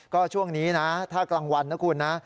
ก็ช่วงนี้นะถ้ากลางวันนะคุณนะ